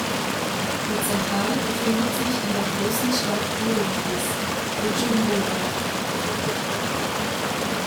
Die Zentrale befindet sich in der größten Stadt Burundis, Bujumbura.